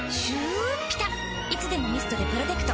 いつでもミストでプロテクト。